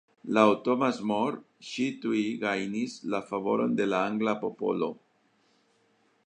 Laŭ Thomas More ŝi tuj gajnis la favoron de la angla popolo.